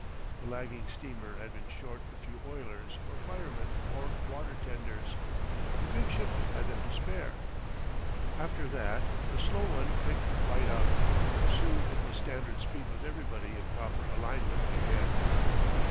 The lagging steamer had been short a few oilers or firemen or water tenders. The big ship had them to spare. After that the slow one picked right up. Soon it was standard speed with everybody in proper alignment again.